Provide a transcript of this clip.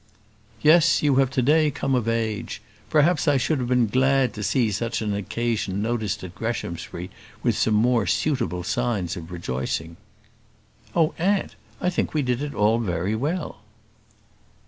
"Yes; you have to day come of age. Perhaps I should have been glad to see such an occasion noticed at Greshamsbury with some more suitable signs of rejoicing." "Oh, aunt! I think we did it all very well."